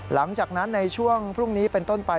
หลังจากนั้นในช่วงพรุ่งนี้เป็นต้นไป